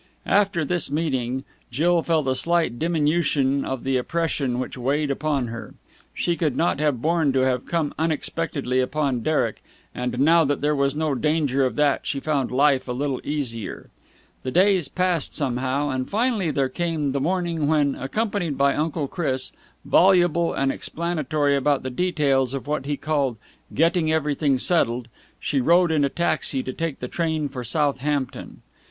After this meeting, Jill felt a slight diminution of the oppression which weighed upon her. She could not have borne to have come unexpectedly upon Derek, and, now that there was no danger of that, she found life a little easier. The days passed somehow, and finally there came the morning, when, accompanied by Uncle Chris voluble and explanatory about the details of what he called "getting everything settled" she rode in a taxi to take the train for Southampton.